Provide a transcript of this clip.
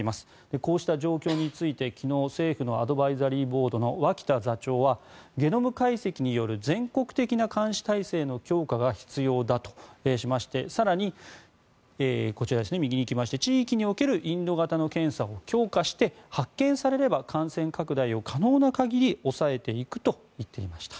こうした状況について、昨日政府のアドバイザリーボードの脇田座長はゲノム解析による全国的な監視体制の強化が必要だとしまして更に、こちら右に行きまして地域におけるインド型の検査を強化して発見されれば感染拡大を可能な限り抑えていくと言っていました。